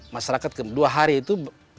masyarakat dua hari itu